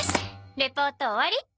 レポート終わりっと。